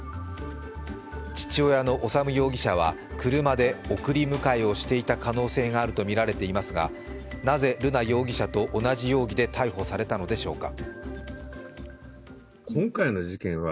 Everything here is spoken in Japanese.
父親の修容疑者は車で送り迎えをしていた可能性があるとみられていますが、なぜ瑠奈容疑者と同じ容疑で逮捕されたのでしょうか。